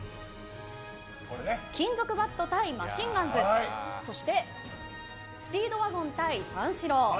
金属バット対マシンガンズそしてスピードワゴン対三四郎。